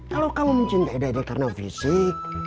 kalau kamu mencintai diri karena fisik